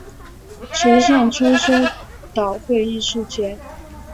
池上秋收稻穗艺术节